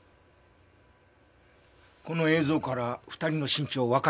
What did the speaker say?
この映像から２人の身長わかる？